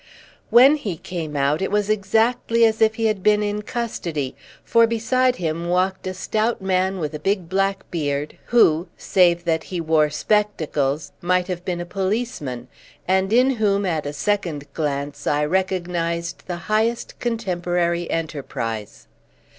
When he came out it was exactly as if he had been in custody, for beside him walked a stout man with a big black beard, who, save that he wore spectacles, might have been a policeman, and in whom at a second glance I recognised the highest contemporary enterprise.